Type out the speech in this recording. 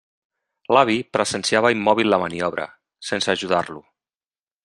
L'avi presenciava immòbil la maniobra, sense ajudar-lo.